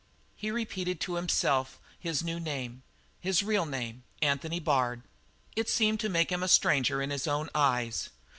He repeated to himself his new name, his real name: "Anthony Bard." It seemed to make him a stranger in his own eyes.